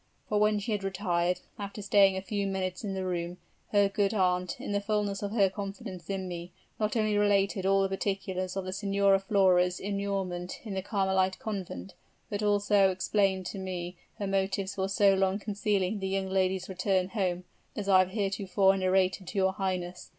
For when she had retired, after staying a few minutes in the room, her good aunt, in the fullness of her confidence in me, not only related all the particulars of the Signora Flora's immurement in the Carmelite Convent, but also explained to me her motives for so long concealing the young lady's return home, as I have heretofore narrated to your highness.